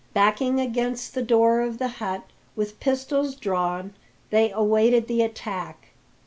Backing against the door of the hut, with pistols drawn they awaited the attack.